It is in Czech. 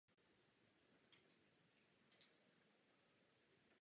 Vedlejší roli Jennifer Woods získala v seriálu "Big Time Rush".